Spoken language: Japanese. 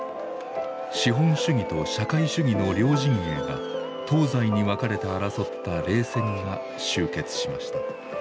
資本主義と社会主義の両陣営が東西に分かれて争った冷戦が終結しました。